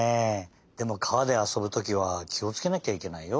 でも川であそぶときはきをつけなきゃいけないよ。